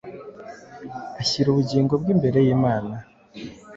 Ashyira ubugingo bwe imbere y’Imana,